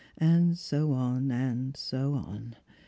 And so on, and so on.